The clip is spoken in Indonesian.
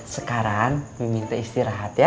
sekarang miminte istirahat ya